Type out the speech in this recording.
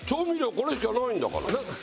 これしかないんだから。